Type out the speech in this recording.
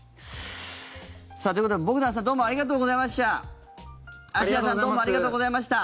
さあ、ということでボグダンさんありがとうございました。